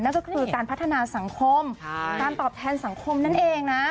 นั่นก็คือการพัฒนาสังคมการตอบแทนสังคมนั่นเองนะ